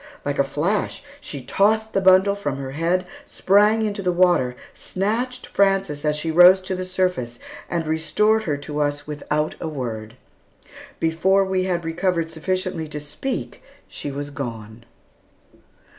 Like a flash, she tossed the bundle from her head, sprang into the water, snatched Frances as she rose to the surface, and restored her to us without a word. Before we had recovered sufficiently to speak, she was gone.